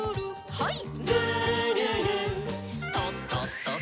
はい。